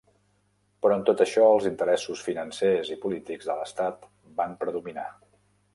Però en tot això els interessos financers i polítics de l'estat van predominar.